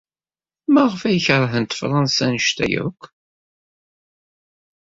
Maɣef ay keṛhent Fṛansa anect-a akk?